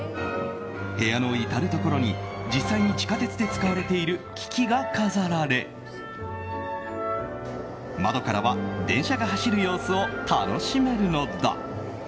部屋の至るところに実際に地下鉄で使われている機器が飾られ窓からは電車が走る様子を楽しめるのだ。